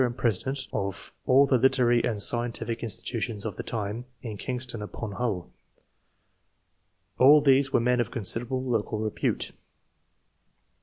and president of all the literary and scientific institutions of the time in Kingston upon Hull. All these were men of considerable local repute.